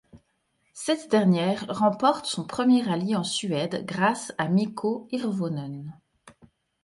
Cette dernière remporte son premier rallye en Suède grâce à Mikko Hirvonen.